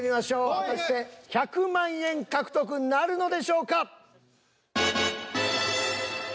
果たして１００万円獲得なるのでしょうか。